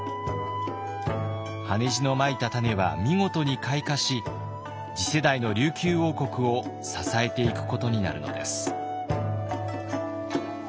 羽地のまいた種は見事に開花し次世代の琉球王国を支えていくことになるのです。